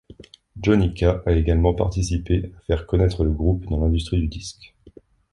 Johnny K a également participer à faire connaitre le groupe dans l'industrie du disque.